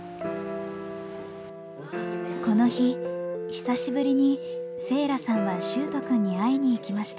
この日久しぶりに聖良さんは秀斗くんに会いに行きました。